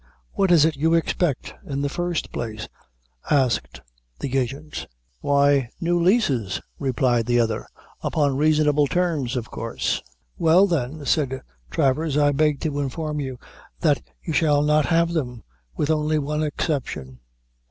"What is it you expect, in the first place?" asked the agent. "Why, new leases," replied the other, "upon reasonable terms, of course." "Well, then," said Travers, "I beg to inform you that you shall not have them, with only one exception.